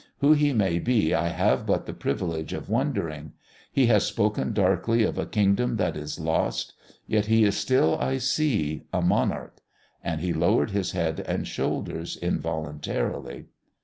Who he may be I have but the privilege of wondering. He has spoken darkly of a Kingdom that is lost. Yet he is still, I see, a Monarch." And he lowered his head and shoulders involuntarily.